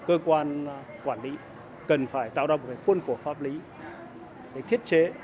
cơ quan quản lý cần phải tạo ra một cái quân cổ pháp lý để thiết chế